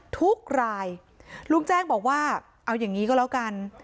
ทุกรายลุงแจ้งบอกว่าเอาอย่างนี้ก็แล้วกัน